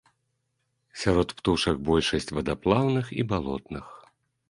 Сярод птушак большасць вадаплаўных і балотных.